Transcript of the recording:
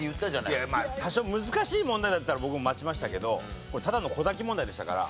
いや多少難しい問題だったら僕も待ちましたけどこれただの小瀧問題でしたから。